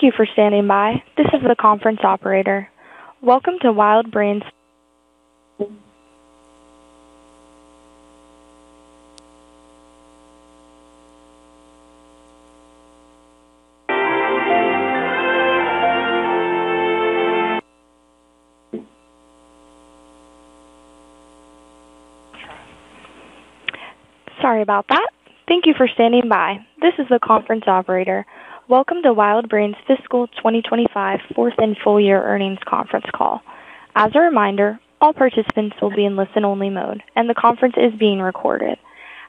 Thank you for standing by. This is the conference operator. Welcome to WildBrain's fiscal 2025 fourth and full year earnings conference call. As a reminder, all participants will be in listen only mode and the conference is being recorded.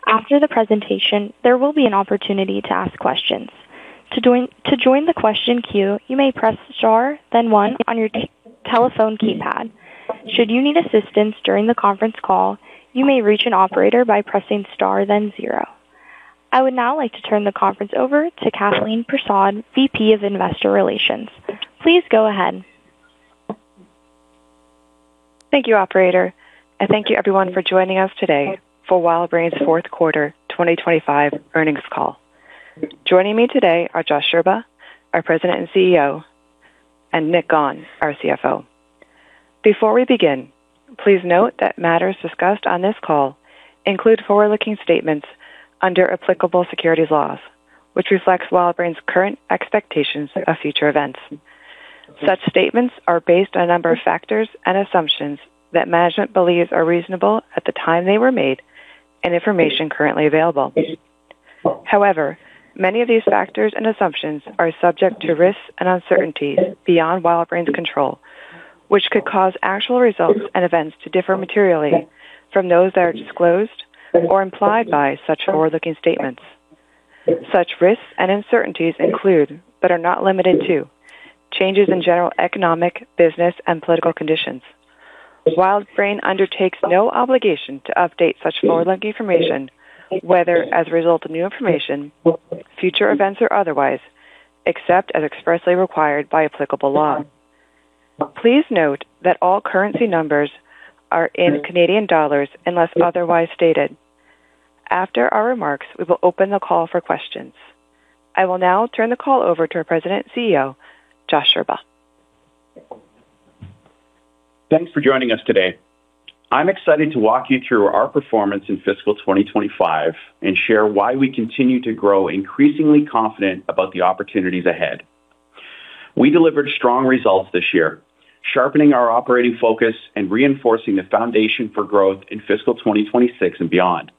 After the presentation, there will be an opportunity to ask questions. To join the question queue, you may press Star then one on your telephone keypad. Should you need assistance during the conference call, you may reach an operator by pressing Star then zero. I would now like to turn the conference over to Kathleen Persaud, VP of Investor Relations. Please go ahead. Thank you, operator. Thank you everyone for joining us today for WildBrain's fourth quarter 2025 earnings call. Joining me today are Josh Scherba, our President and CEO, and Nick Gawne, our CFO. Before we begin, please note that matters discussed on this call include forward-looking statements under applicable securities law, which reflect WildBrain's current expectations of future events. Such statements are based on a number of factors and assumptions that management believes are reasonable at the time they were made and information currently available. However, many of these factors and assumptions are subject to risks and uncertainties beyond WildBrain's control, which could cause actual results and events to differ materially from those that are disclosed or implied by such forward-looking statements. Such risks and uncertainties include, but are not limited to, changes in general economic, business, and political conditions. WildBrain undertakes no obligation to update such forward-looking information, whether as a result of new information, future events, or otherwise, except as expressly required by applicable law. Please note that all currency numbers are in Canadian dollars unless otherwise stated. After our remarks, we will open the call for questions. I will now turn the call over to our President and CEO, Josh Scherba. Thanks for joining us today. I'm excited to walk you through our performance in fiscal 2025 and share why we continue to grow increasingly confident about the opportunities ahead. We delivered strong results this year, sharpening our operating focus and reinforcing the foundation for growth in fiscal 2026 and beyond.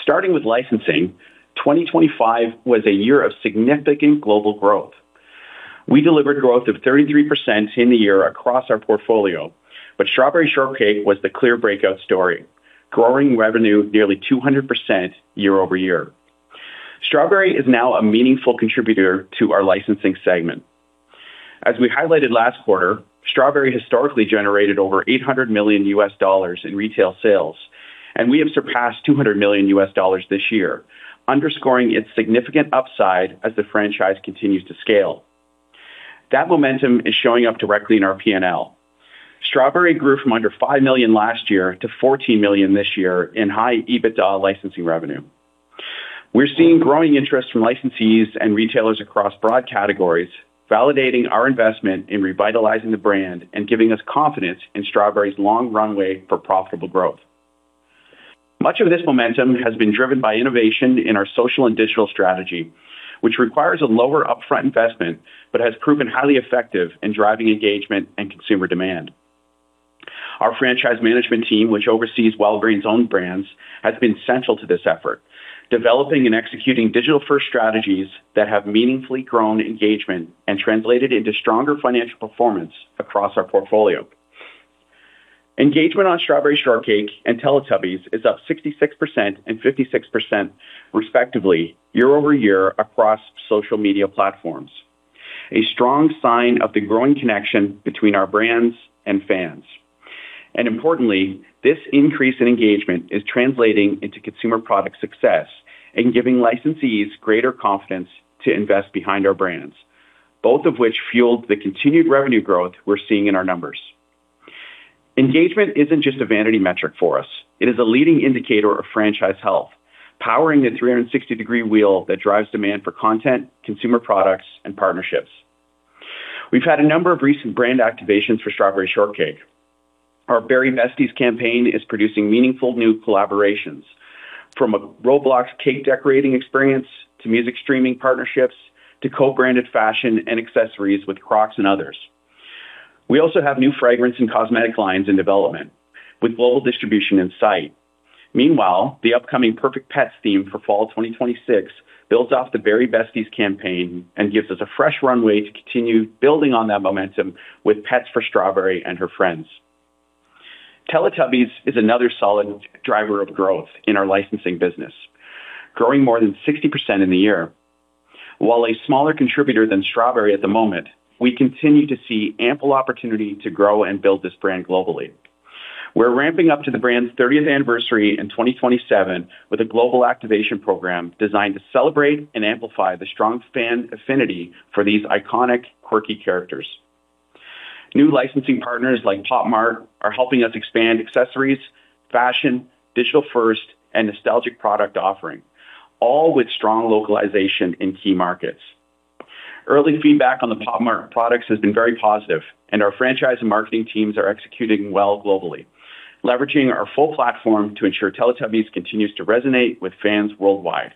Starting with licensing, 2025 was a year of significant global growth. We delivered growth of 33% in the year across our portfolio, but Strawberry Shortcake was the clear breakout story, growing revenue nearly 200% year over year. Strawberry is now a meaningful contributor to our licensing segment. As we highlighted last quarter, Strawberry historically generated over $800 million in retail sales and we have surpassed $200 million, underscoring its significant upside as the franchise continues to scale. That momentum is showing up directly in our P&L. Strawberry grew from under $5 million last year to $14 million this year in high EBITDA licensing revenue. We're seeing growing interest from licensees and retailers across broad categories, validating our investment in revitalizing the brand and giving us confidence in Strawberry's long runway for profitable growth. Much of this momentum has been driven by innovation in our social and digital strategy, which requires a lower upfront investment but has proven highly effective in driving engagement and consumer demand. Our franchise management team, which oversees WildBrain's owned brands, has been central to this effort, developing and executing digital-first strategies that have meaningfully grown engagement and translated into stronger financial performance across our portfolio. Engagement on Strawberry Shortcake and Teletubbies is up 66% and 56% respectively year over year across social media platforms, a strong sign of the growing connection between our brands and fans. Importantly, this increase in engagement is translating into consumer product success and giving licensees greater confidence to invest behind our brands, both of which fueled the continued revenue growth we're seeing in our numbers. Engagement isn't just a vanity metric for us, it is a leading indicator of franchise health, powering the 360 degree wheel that drives demand for content, consumer products and partnerships. We've had a number of recent brand activations for Strawberry Shortcake. Our Berry Besties campaign is producing meaningful new collaborations from a Roblox cake decorating experience to music streaming partnerships to co-branded fashion and accessories with Crocs and others. We also have new fragrance and cosmetic lines in development with global distribution in sight. Meanwhile, the upcoming Perfect Pets theme for fall 2026 builds off the Berry Besties campaign and gives us a fresh runway to continue building on that momentum with pets for Strawberry and her friends. Teletubbies is another solid driver of growth in our licensing business, growing more than 60% in the year. While a smaller contributor than Strawberry at the moment, we continue to see ample opportunity to grow and build this brand globally. We're ramping up to the brand's 30th anniversary in 2027 with a global activation program designed to celebrate and amplify the strong fan affinity for these iconic quirky characters. New licensing partners like Pop Mart are helping us expand accessories, fashion, digital-first and foremost, and nostalgic product offering, all with strong localization in key markets. Early feedback on the Pop Mart products has been very positive and our franchise and marketing teams are executing well globally, leveraging our full platform to ensure Teletubbies continues to resonate with fans worldwide.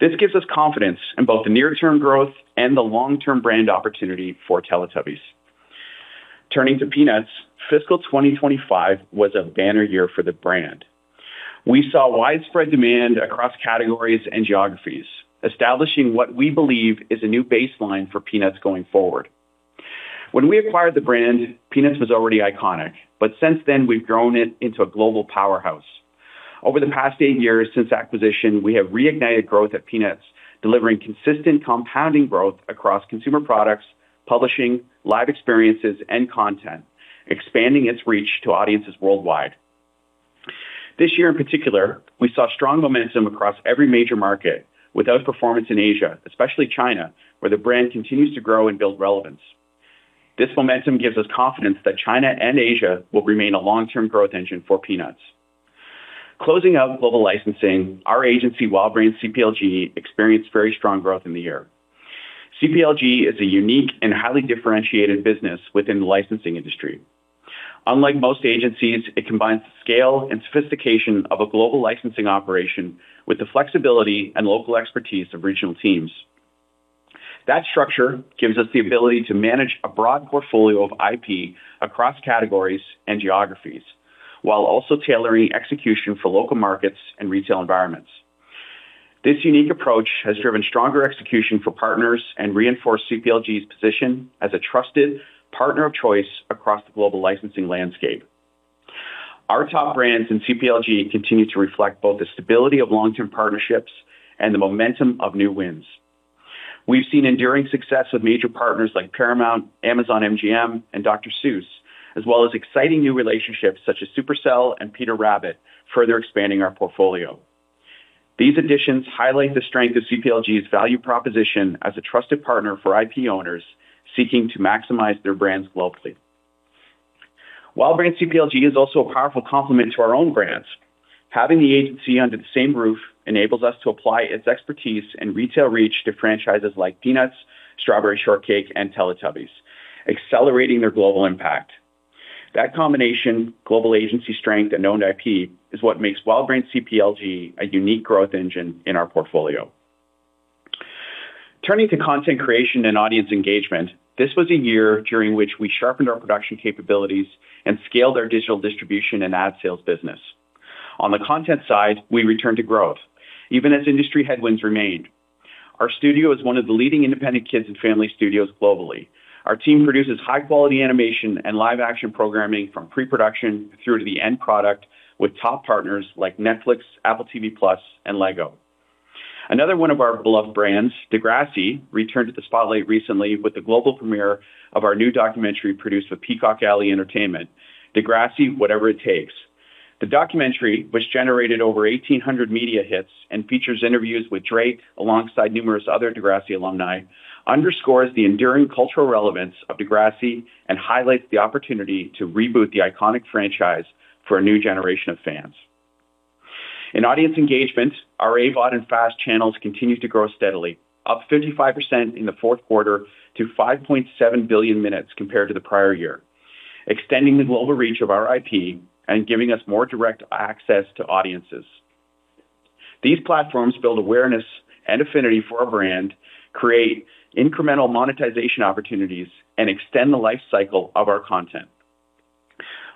This gives us confidence in both the near-term growth and the long-term brand opportunity for Teletubbies. Turning to Peanuts, fiscal 2025 was a banner year for the brand. We saw widespread demand across categories and geographies, establishing what we believe is a new baseline for Peanuts going forward. When we acquired the brand, Peanuts was already iconic, but since then we've grown it into a global powerhouse. Over the past eight years since acquisition, we have reignited growth at Peanuts, delivering consistent compounding growth across consumer products, publishing, live experiences, and content, expanding its reach to audiences worldwide. This year in particular, we saw strong momentum across every major market with outperformance in Asia, especially China, where the brand continues to grow and build relevance. This momentum gives us confidence that China and Asia will remain a long-term growth engine for Peanuts. Closing out Global Licensing, our agency WildBrain CPLG experienced very strong growth in the year. WildBrain CPLG is a unique and highly differentiated business within the licensing industry. Unlike most agencies, it combines the scale and sophistication of a global licensing operation with the flexibility and local expertise of regional teams. That structure gives us the ability to manage a broad portfolio of IP across categories and geographies while also tailoring execution for local markets and retail environments. This unique approach has driven stronger execution for partners and reinforced WildBrain CPLG's position as a trusted partner of choice across the global licensing landscape. Our top brands in WildBrain CPLG continue to reflect both the stability of long-term partnerships and the momentum of new wins. We've seen enduring success with major partners like Paramount, Amazon, MGM, and Dr. Seuss, as well as exciting new relationships such as Supercell and Peter Rabbit, further expanding our portfolio. These additions highlight the strength of WildBrain CPLG's value proposition as a trusted partner for IP owners seeking to maximize their brands globally. While WildBrain CPLG is also a powerful complement to our own brands, having the agency under the same roof enables us to apply its expertise and retail reach to franchises like Peanuts, Strawberry Shortcake, and Teletubbies, accelerating their global impact. That combination of global agency strength and owned IP is what makes WildBrain CPLG a unique growth engine in our portfolio. Turning to content creation and audience engagement, this was a year during which we sharpened our production capabilities and scaled our digital distribution and ad sales business. On the content side, we returned to growth even as industry headwinds remained. Our studio is one of the leading independent kids and family studios globally. Our team produces high-quality animation and live-action programming from pre-production through to the end product with top partners like Netflix, Apple TV+, and LEGO. Another one of our beloved brands, Degrassi, returned to the spotlight recently with the global premiere of our new documentary produced with Peacock Alley Entertainment, Degrassi: Whatever It Takes. The documentary, which generated over 1,800 media hits and features interviews with Drake alongside numerous other Degrassi alumni, underscores the enduring cultural relevance of Degrassi and highlights the opportunity to reboot the iconic franchise for a new generation of fans. In audience engagement, our AVOD and FAST channels continue to grow steadily, up 55% in the fourth quarter to 5.7 billion minutes compared to the prior year, extending the global reach of our IP and giving us more direct access to audiences. These platforms build awareness and affinity for our brand, create incremental monetization opportunities, and extend the lifecycle of our content.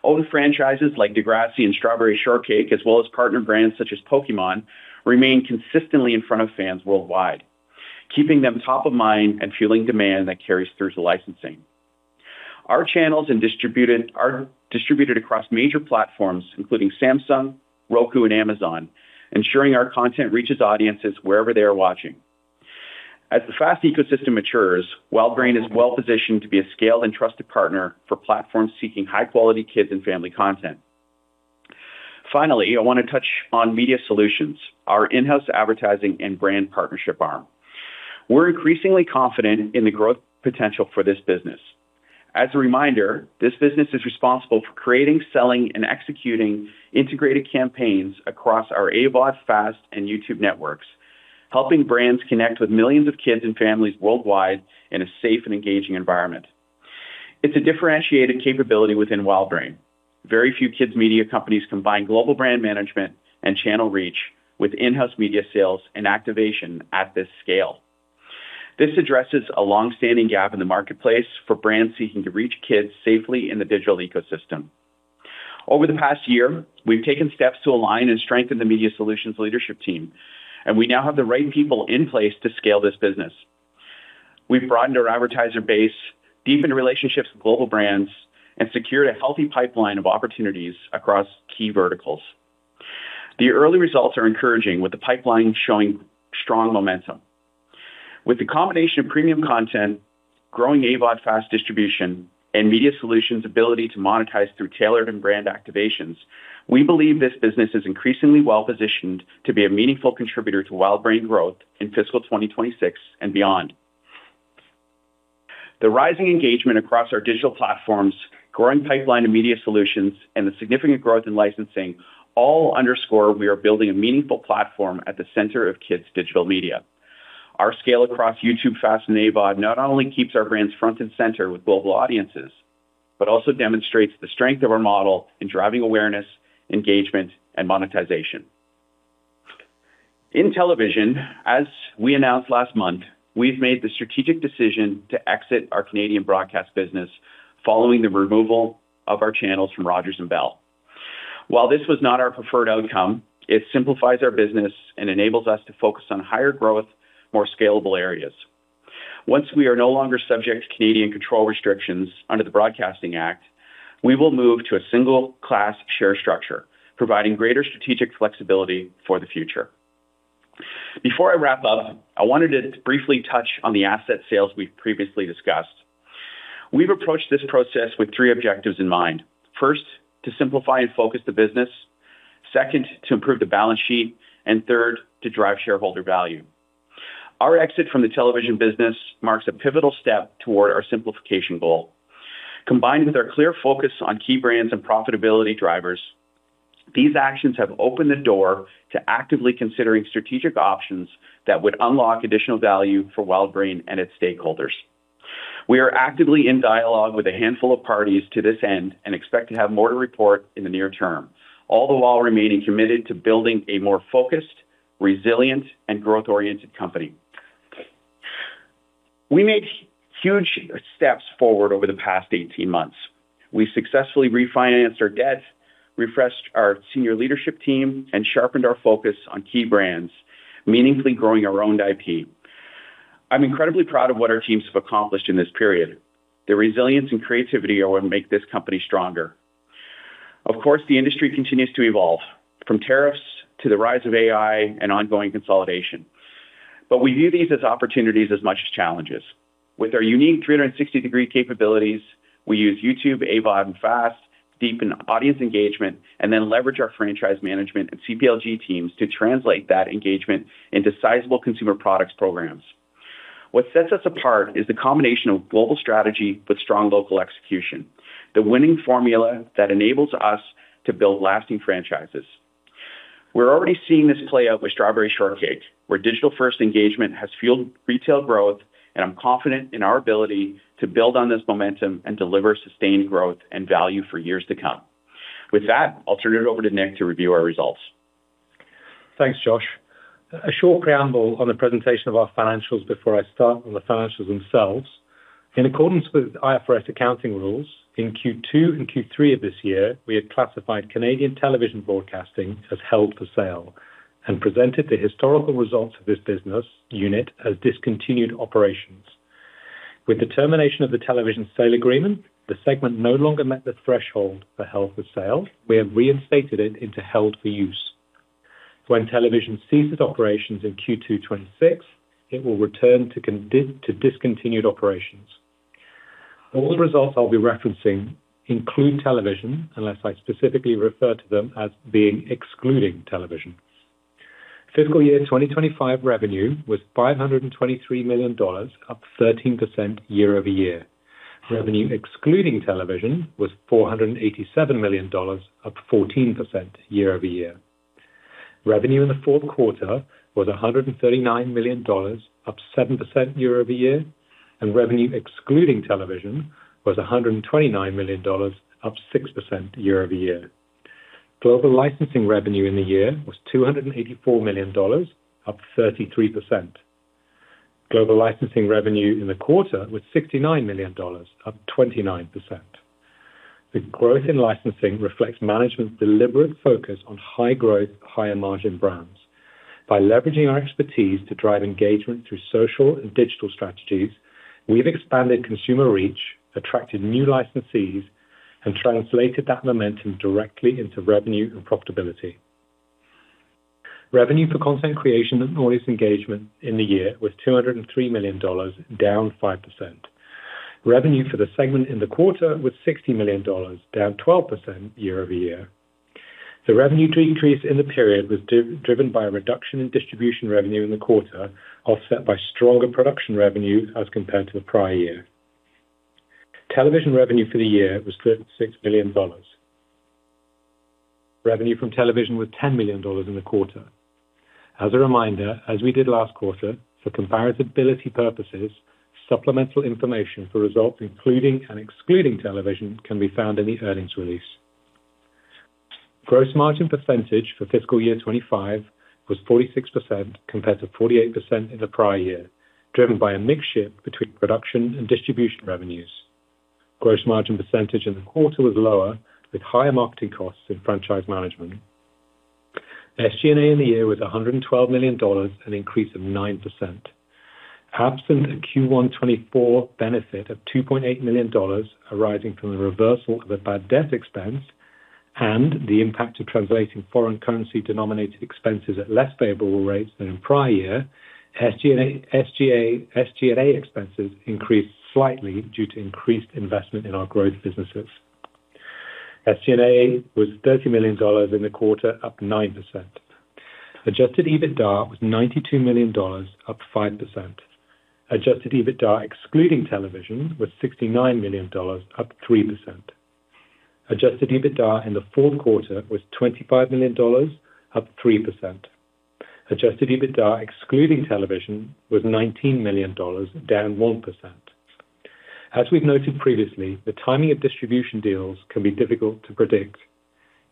Older franchises like Degrassi and Strawberry Shortcake, as well as partner brands such as Pokémon, remain consistently in front of fans worldwide, keeping them top of mind and fueling demand that carries through to licensing. Our channels are distributed across major platforms including Samsung, Roku, and Amazon, ensuring our content reaches audiences wherever they are watching. As the FAST ecosystem matures, WildBrain is well positioned to be a scale and trusted partner for platforms seeking high quality kids and family content. Finally, I want to touch on Media Solutions, our in-house advertising and brand partnership arm. We're increasingly confident in the growth potential for this business. As a reminder, this business is responsible for creating, selling, and executing integrated campaigns across our AVOD, FAST, and YouTube networks, helping brands connect with millions of kids and families worldwide in a safe and engaging environment. It's a differentiated capability within WildBrain. Very few kids media companies combine global brand management and channel reach with in-house media sales and activation at this scale. This addresses a long-standing gap in the marketplace for brands seeking to reach kids safely in the digital ecosystem. Over the past year, we've taken steps to align and strengthen the Media Solutions leadership team, and we now have the right people in place to scale this business. We've broadened our advertiser base, deepened relationships with global brands, and secured a healthy pipeline of opportunities across key verticals. The early results are encouraging, with the pipeline showing strong momentum with the combination of premium content, growing AVOD, FAST distribution, and Media Solutions' ability to monetize through tailored and brand activations. We believe this business is increasingly well positioned to be a meaningful contributor to WildBrain growth in fiscal 2026 and beyond. The rising engagement across our digital platforms, growing pipeline of Media Solutions and the significant growth in licensing all underscore we are building a meaningful platform at the center of kids digital media. Our scale across YouTube, FAST and AVOD not only keeps our brands front and center with global audiences, but also demonstrates the strength of our model in driving awareness, engagement and monetization in television. As we announced last month, we've made the strategic decision to exit our Canadian broadcast business following the removal of our channels from Rogers and Bell. While this was not our preferred outcome, it simplifies our business and enables us to focus on higher growth, more scalable areas. Once we are no longer subject to Canadian control restrictions under the Broadcasting Act, we will move to a single class share structure, providing greater strategic flexibility for the future. Before I wrap up, I wanted to briefly touch on the asset sales we've previously discussed. We've approached this process with three objectives in mind. First, to simplify and focus the business. Second, to improve the balance sheet and third, to drive shareholder value. Our exit from the television business marks a pivotal step toward our simplification goal. Combined with our clear focus on key brands and profitability drivers, these actions have opened the door to actively considering strategic options that would unlock additional value for WildBrain and its stakeholders. We are actively in dialogue with a handful of parties to this end and expect to have more to report in the near term, all the while remaining committed to building a more focused, resilient and growth oriented company. We made huge steps forward over the past 18 months. We successfully refinanced our debt, refreshed our senior leadership team and sharpened our focus on key brands, meaningfully growing our owned IP. I'm incredibly proud of what our teams have accomplished in this period. The resilience and creativity are what make this company stronger. Of course, the industry continues to evolve from tariffs to the rise of AI and ongoing consolidation, but we view these as opportunities as much as challenges. With our unique 360 degree capabilities, we use YouTube, AVOD and FAST, deepen audience engagement, and then leverage our franchise management and CPLG teams to translate that engagement into sizable consumer products programs. What sets us apart is the combination of global strategy with strong local execution, the winning formula that enables us to build lasting franchises. We're already seeing this play out with Strawberry Shortcake, where digital-first engagement has fueled retail growth, and I'm confident in our ability to build on this momentum and deliver sustained growth and value for years to come. With that, I'll turn it over to Nick to review our results. Thanks Josh. A short preamble on the presentation of our financials before I start on the financials themselves. In accordance with IFRS accounting rules, in Q2 and Q3 of this year, we had classified Canadian television broadcasting as held for sale and presented the historical results of this business unit as discontinued operations. With the termination of the television sale agreement, the segment no longer met the threshold for held for sale. We have reinstated it into held for use. When television ceases its operations in Q2 2026, it will return to discontinued operations. All the results I'll be referencing include television, unless I specifically refer to them as being excluding television. Fiscal year 2025 revenue was $523 million, up 13% year over year. Revenue excluding television was $487 million, up 14% year over year. Revenue in the fourth quarter was $139 million, up 7% year over year, and revenue excluding television was $129 million, up 6% year over year. Global licensing revenue in the year was $284 million, up 33%. Global licensing revenue in the quarter was $69 million, up 29%. The growth in licensing reflects management's deliberate focus on high-growth, higher-margin brands. By leveraging our expertise to drive engagement through social and digital strategies, we've expanded consumer reach, attracted new licensees, and translated that momentum directly into revenue and profitability. Revenue for content creation and audience engagement in the year was $203 million, down 5%. Revenue for the segment in the quarter was $60 million, down 12% year over year. The revenue decrease in the period was driven by a reduction in distribution revenue in the quarter, offset by stronger production revenue as compared to the prior year. Television revenue for the year was $36 million. Revenue from television was $10 million in the quarter. As a reminder, as we did last quarter for comparability purposes, supplemental information for results including and excluding television can be found in the earnings release. Gross margin percentage for fiscal year 2025 was 46% compared to 48% in the prior year, driven by a mix shift between production and distribution revenues. Gross margin percentage in the quarter was lower, with higher marketing costs in franchise management. SGA in the year was $112 million, an increase of 9% absent a Q1 24 benefit of $2.8 million arising from the reversal of a bad debt expense and the impact of translating foreign currency denominated expenses at less favorable rates than in prior year. SGA expenses increased slightly due to increased investment in our growth businesses. SGA was $30 million in the quarter, up 9%. Adjusted EBITDA was $92 million, up 5%. Adjusted EBITDA excluding television was $69 million, up 3%. Adjusted EBITDA in the fourth quarter was $25 million, up 3%. Adjusted EBITDA excluding television was $19 million, down 1%. As we've noted previously, the timing of distribution deals can be difficult to predict.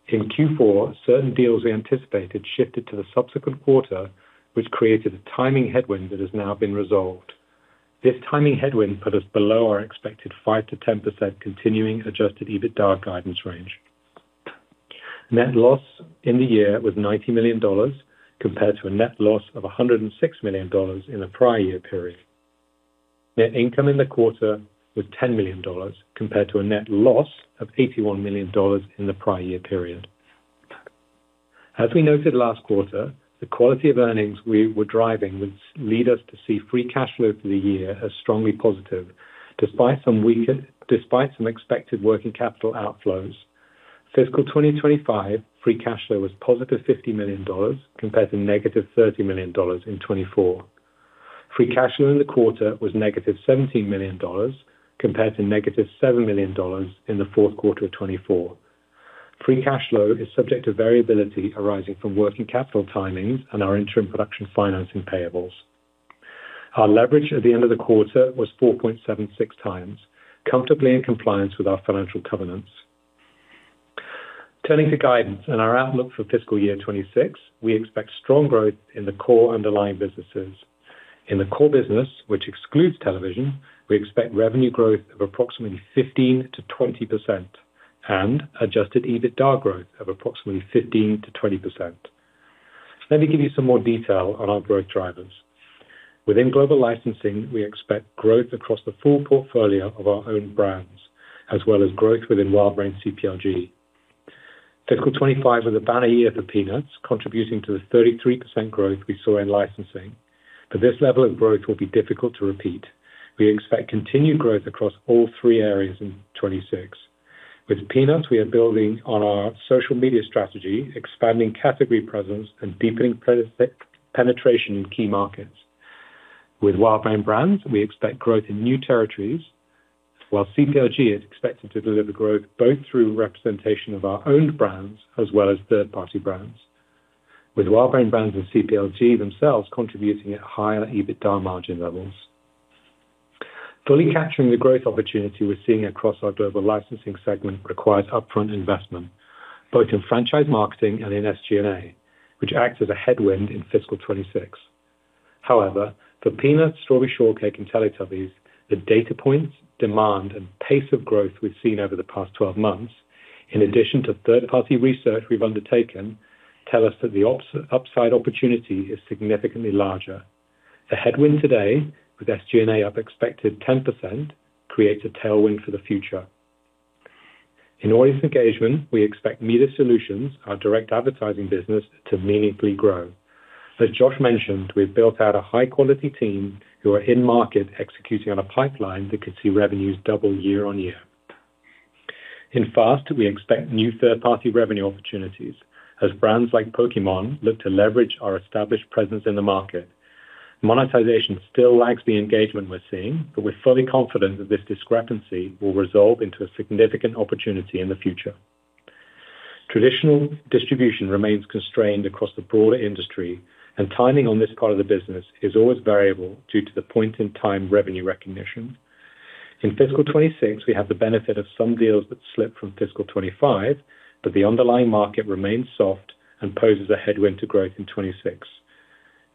In Q4, certain deals we anticipated shifted to the subsequent quarter, which created a timing headwind that has now been resolved. This timing headwind put us below our expected 5 to 10% continuing adjusted EBITDA guidance range. Net loss in the year was $90 million compared to a net loss of $106 million in the prior year period. Net income in the quarter was $10 million compared to a net loss of $81 million in the prior year period. As we noted last quarter, the quality of earnings we were driving would lead us to see free cash flow for the year as strongly positive despite some weakness. Despite some expected working capital outflows, fiscal 2025 free cash flow was positive $50 million compared to negative $30 million in 2024. Free cash flow in the quarter was negative $17 million compared to negative $7 million in Q4 2024. Free cash flow is subject to variability arising from working capital timings and our interim production financing payables. Our leverage at the end of the quarter was 4.76 times, comfortably in compliance with our financial covenants. Turning to guidance and our outlook for fiscal year 2026, we expect strong growth in the core underlying businesses. In the core business, which excludes television, we expect revenue growth of approximately 15 to 20% and adjusted EBITDA growth of approximately 15 to 20%. Let me give you some more detail on our growth drivers within global licensing. We expect growth across the full portfolio of our own brands as well as growth within WildBrain CPLG. Fiscal 2025 was a banner year for Peanuts, contributing to the 33% growth we saw in licensing, but this level of growth will be difficult to repeat. We expect continued growth across all three areas in 2026. With Peanuts, we are building on our social media strategy, expanding category presence and deepening product penetration in key markets. With WildBrain brands, we expect growth in new territories, while WildBrain CPLG is expected to deliver growth both through representation of our owned brands as well as third party brands, with WildBrain brands and WildBrain CPLG themselves contributing at higher EBITDA margin levels. Fully capturing the growth opportunity we're seeing across our global licensing segment requires upfront investment both in franchise marketing and in SG&A, which acts as a headwind in fiscal 2026. However, for Peanuts, Strawberry Shortcake and Teletubbies, the data points, demand and pace of growth we've seen over the past 12 months, in addition to third party research we've undertaken, tell us that the upside opportunity is significantly larger. The headwind today with SG&A up expected 10% creates a tailwind for the future in audience engagement. We expect Media Solutions, our direct advertising business, to meaningfully grow. As Josh mentioned, we've built out a high quality team who are in market executing on a pipeline that could see revenues double year on year in FAST. We expect new third party revenue opportunities as brands like Pokémon look to leverage our established presence in the market. Monetization still lacks the engagement we're seeing, but we're fully confident that this discrepancy will resolve into a significant opportunity in the future. Traditional distribution remains constrained across the broader industry, and timing on this part of the business is always variable due to the point in time. Revenue recognition in fiscal 2026, we have the benefit of some deals that slip from fiscal 2025, but the underlying market remains soft and poses a headwind to growth in 2026.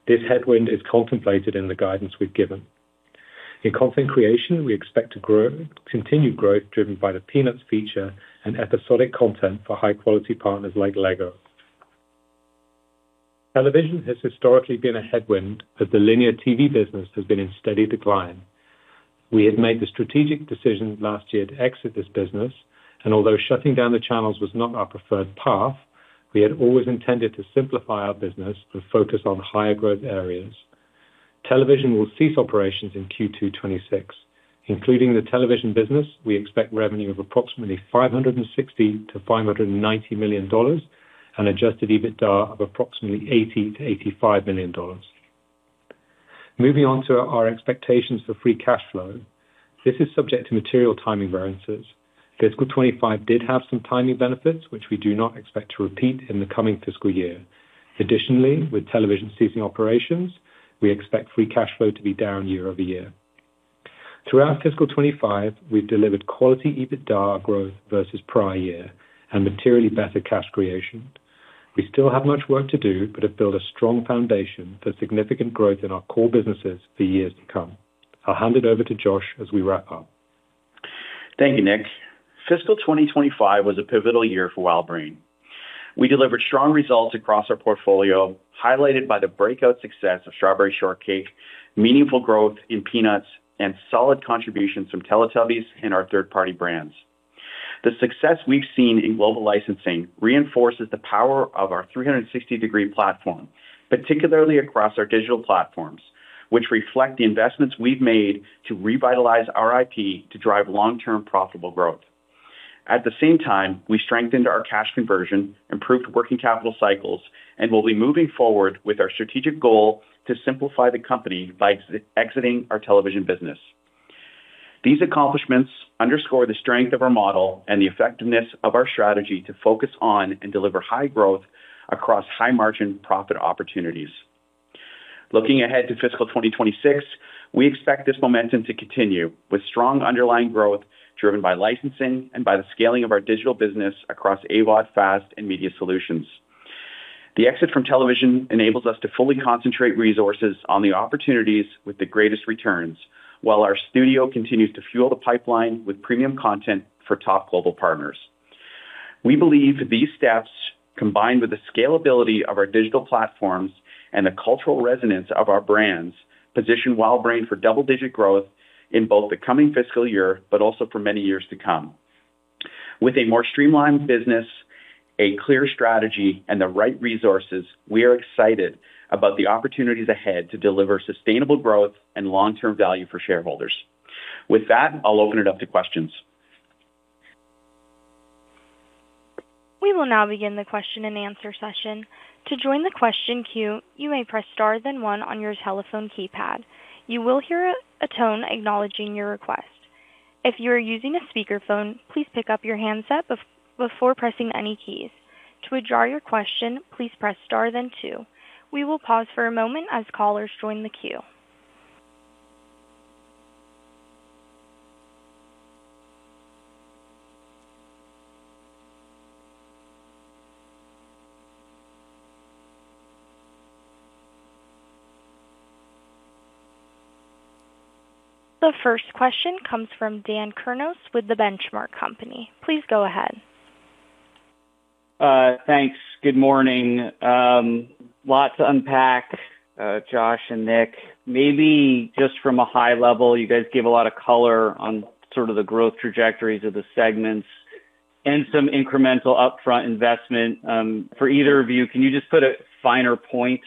This headwind is contemplated in the guidance we've given in content creation. We expect to grow, continued growth driven by the Peanuts feature and episodic content for high quality partners like LEGO. Television has historically been a headwind, but the linear TV business has been in steady decline. We had made the strategic decision last year to exit this business, and although shutting down the channels was not our preferred path, we had always intended to simplify our business with focus on higher growth areas. Television will cease operations in Q2 2026. Including the television business, we expect revenue of approximately $560 million to $590 million and adjusted EBITDA of approximately $80 million to $85 million. Moving on to our expectations for free cash flow, this is subject to material timing variances. Fiscal 2025 did have some timing benefits which we do not expect to repeat in the coming fiscal year. Additionally, with television ceasing operations, we expect free cash flow to be down year over year. Throughout fiscal 2025, we've delivered quality EBITDA growth versus prior year and materially better cash creation. We still have much work to do, but have built a strong foundation for significant growth in our core businesses for years to come. I'll hand it over to Josh as we wrap up. Thank you, Nick. Fiscal 2025 was a pivotal year for WildBrain. We delivered strong results across our portfolio, highlighted by the breakout success of Strawberry Shortcake, meaningful growth in Peanuts, and solid contributions from Teletubbies and our third party brands. The success we've seen in global licensing reinforces the power of our 360° platform, particularly across our digital platforms, which reflect the investments we've made to revitalize our IP to drive long term profitable growth. At the same time, we strengthened our cash conversion, improved working capital cycles, and we'll be moving forward with our strategic goal to simplify the company by exiting our television business. These accomplishments underscore the strength of our model and the effectiveness of our strategy to focus on and deliver high growth across high margin profit opportunities. Looking ahead to fiscal 2026, we expect this momentum to continue with strong underlying growth driven by licensing and by the scaling of our digital business across AVOD, FAST channels, and Media Solutions. The exit from television enables us to fully concentrate resources on the opportunities with the greatest returns, while our studio continues to fuel the pipeline with premium content for top global partners. We believe these steps, combined with the scalability of our digital platforms and the cultural resonance of our brands, position WildBrain for double digit growth in both the coming fiscal year, but also for many years to come. With a more streamlined business, a clear strategy, and the right resources, we are excited about the opportunities ahead to deliver sustainable growth and long term value for shareholders. With that, I'll open it up to questions. We will now begin the question and answer session. To join the question queue, you may press star then 1 on your telephone keypad. You will hear a tone acknowledging your request. If you are using a speakerphone, please pick up your handset before pressing any keys to ajar your question. Please press star then 2. We will pause for a moment as callers join the queue. The first question comes from Dan Kurnos with the Benchmark Company. Please go ahead. Thanks. Good morning. Lot to unpack. Josh and Nick, maybe just from a high level, you guys give a lot of color on sort of the growth trajectories of the segments and some incremental upfront investment for either of you. Can you just put a few finer points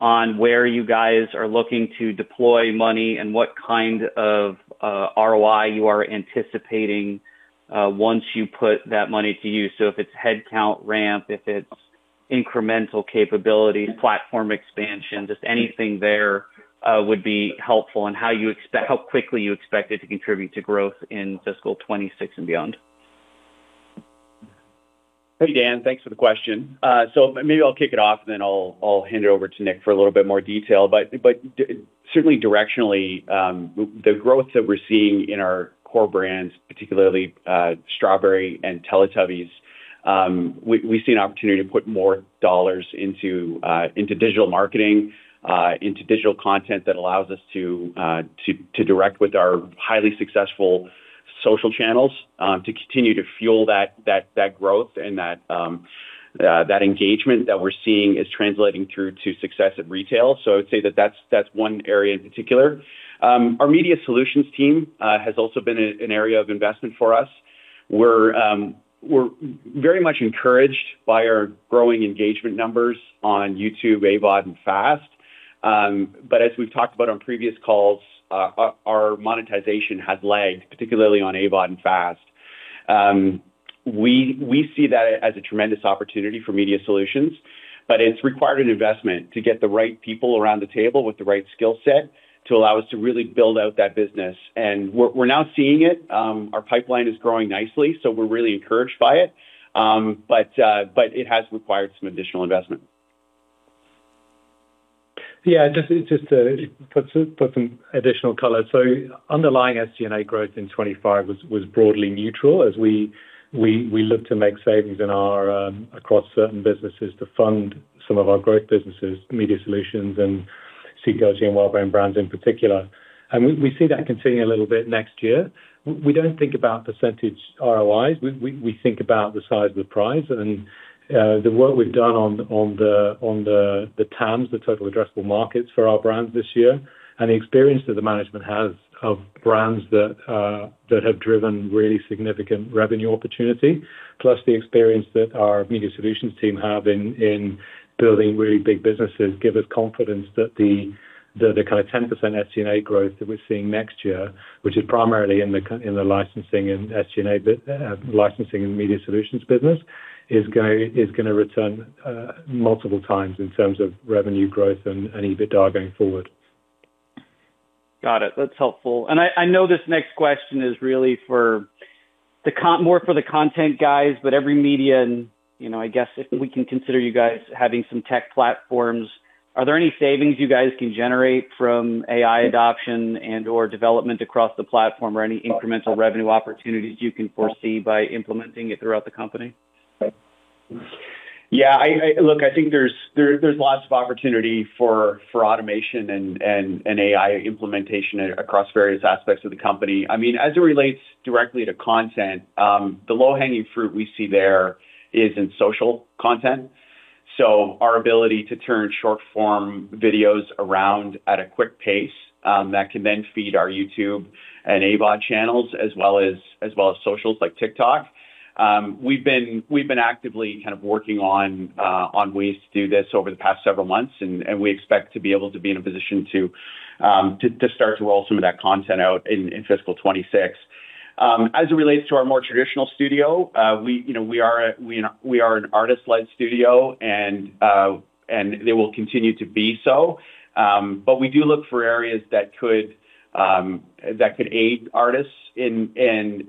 on where you guys are looking to deploy money and what kind of ROI you are anticipating once you put that money to use. If it's headcount ramp, if it's incremental capabilities, platform expansion, just anything there would be helpful and how you expect how quickly you expect it to contribute to growth in fiscal 2026 and beyond. Hey Dan, thanks for the question. Maybe I'll kick it off, then I'll hand it over to Nick for a little bit more detail. Certainly, directionally, the growth that we're seeing in our core brands, particularly Strawberry Shortcake and Teletubbies, we see an opportunity to put more dollars into digital marketing, into digital content that allows us to direct with our highly successful social channels to continue to fuel that growth and that engagement that we're seeing is translating through to success at retail. I would say that that's one area in particular. Our Media Solutions team has also been an area of investment for us. We're very much encouraged by our growing engagement numbers on YouTube, AVOD, and FAST channels. As we've talked about on previous calls, our monetization had lagged, particularly on AVOD and FAST. We see that as a tremendous opportunity for Media Solutions, but it's required an investment to get the right people around the table with the right skill set to allow us to really build out that business. We're now seeing it. Our pipeline is growing nicely, so we're really encouraged by it. It has required some additional investment. Just to put some additional color, underlying SG&A growth in 2025 was broadly neutral as we look to make savings across certain businesses to fund some of our growth businesses, Media Solutions and sequels and well brands in particular, and we see that continue a little bit next year. We don't think about % ROIs. We think about the size of the prize and the work we've done on the TAMs, the total addressable markets for our brands this year, and the experience that the management has of brands that have driven really significant revenue opportunity. Plus, the experience that our Media Solutions team have in building really big businesses gives us confidence that the kind of 10% SG&A growth that we're seeing next year, which is primarily in the licensing and Media Solutions business, is going to return multiple times in terms of revenue growth and EBITDA going forward. Got it. That's helpful. I know this next question is really more for the content guys, but every media and, you know, I guess we can consider you guys having some tech platforms. Are there any savings you guys can generate from AI adoption and or development across the platform, or any incremental revenue opportunities you can foresee by implementing it throughout the company? Yeah, look, I think there's lots of opportunity for automation and AI implementation across various aspects of the company. I mean, as it relates directly to content, the low hanging fruit we see there is in social content. Our ability to turn short form videos around at a quick pace can then feed our YouTube and AVOD channels as well as socials like TikTok. We've been actively working on ways to do this over the past several months, and we expect to be able to be in a position to start to roll some of that content out in fiscal 2026 as it relates to our more traditional studio. We are an artist-led studio, and they will continue to be so. We do look for areas that could aid artists in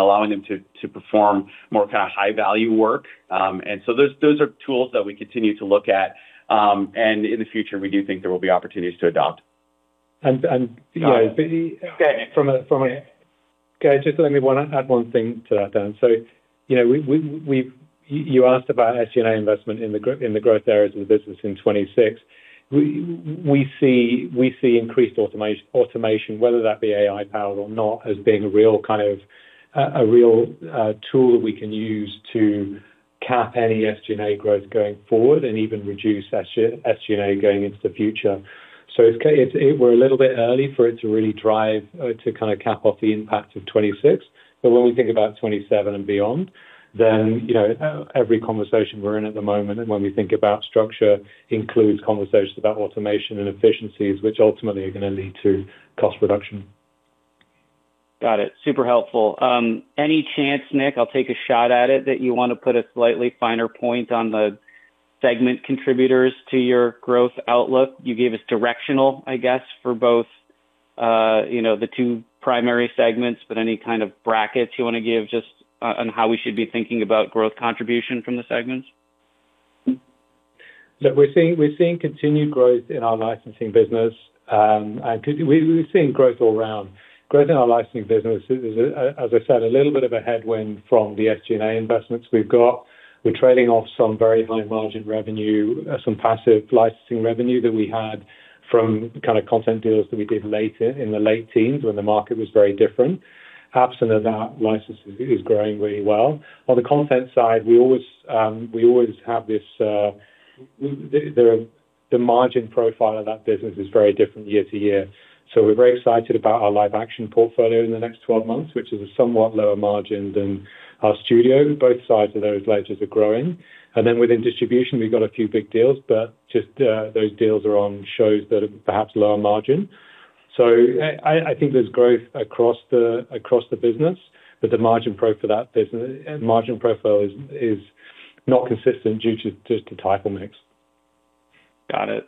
allowing them to perform more high value work. Those are tools that we continue to look at, and in the future we do think there will be opportunities to adopt. Just let me add one thing to that, Dan. You asked about SG&A investment in the growth areas of the business in 2026. We see increased automation, whether that be AI-powered or not, as being a real tool that we can use to cap any SG&A growth going forward and even reduce SG&A going into the future. We're a little bit early for it to really drive to cap off the impact of 2026. When we think about 2027 and beyond, every conversation we're in at the moment and when we think about structure includes conversations about automation and efficiencies, which ultimately are going to lead to cost reduction. Got it. Super helpful. Any chance, Nick, I'll take a shot at it that you want to put a slightly finer point on the segment contributors to your growth outlook. You gave us directional, I guess for both, you know, the two primary segments, but any kind of brackets you want to give, just on how we should be thinking about growth contribution from the segments. We're seeing continued growth in our licensing business. We've seen growth all around. Growth in our licensing business is, as I said, a little bit of a headwind from the SG&A investments we've got. We're trading off some very high margin revenue, some passive licensing revenue that we had from kind of content deals that we did later in the late teens when the market was very different. Absent of that, licensing is growing really well. On the content side, we always have this. The margin profile of that business is very different year to year. We're very excited about our live action portfolio in the next 12 months, which is a somewhat lower margin than our studio. Both sides of those ledgers are growing, and then within distribution we've got a few big deals, but just those deals are on shows that are perhaps lower margin. I think there's growth across the business, but the margin profile for that business and margin profile is not consistent due to just the title mix. Got it.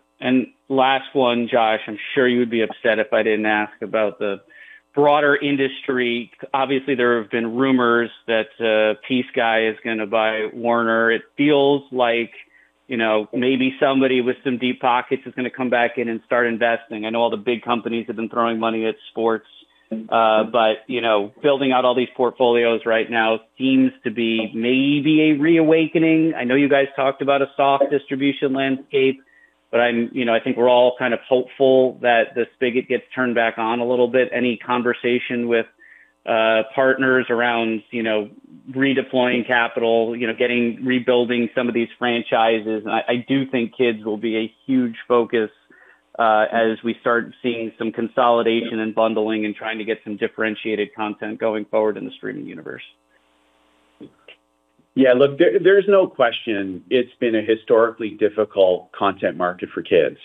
Last one, Josh, I'm sure you would be upset if I didn't ask about the broader industry. Obviously, there have been rumors that Peanuts is going to buy Warner. It feels like maybe somebody with some deep pockets is going to come back in and start investing. I know all the big companies have been throwing money at sports, but building out all these portfolios right now seems to be maybe a reawakening. I know you guys talked about a. Soft distribution landscape, but I think we're all kind of hopeful that the spigot gets turned back on a little bit. Any conversation with partners around redeploying capital, getting, rebuilding some of these franchises. I do think kids will be a huge focus as we start seeing some consolidation and bundling and trying to get some differentiated content going forward in the streaming universe. Yeah, look, there's no question it's been a historically difficult content market for kids.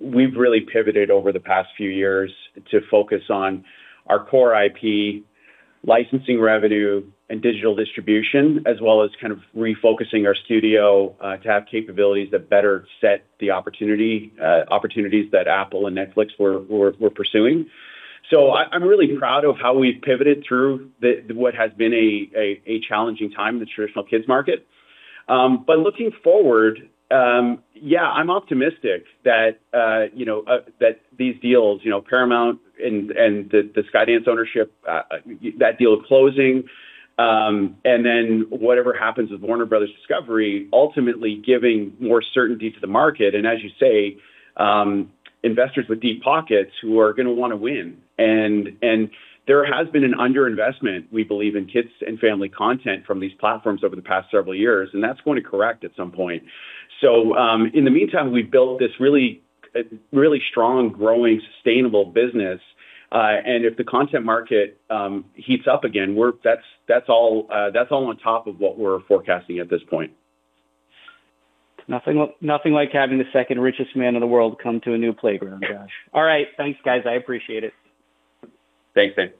We've really pivoted over the past few years to focus on our core IP licensing revenue and digital distribution, as well as refocusing our studio to have capabilities that better set the opportunities that Apple and Netflix were pursuing. I'm really proud of how we've pivoted through what has been a challenging time, the traditional kids market. Looking forward, I'm optimistic that these deals, Paramount and the Skydance ownership, that deal closing, and then whatever happens with Warner Brothers Discovery, ultimately give more certainty to the market and, as you say, investors with deep pockets who are going to want to win. There has been an underinvestment, we believe, in kids and family content from these platforms over the past several years, and that's going to correct at some point. In the meantime, we built this really, really strong, growing, sustainable business. If the content market heats up again, that's all on top of what we're forecasting at this point. Nothing. Nothing like having the second richest man in the world come to a new playground. All right, thanks, guys. I appreciate it. Thank you.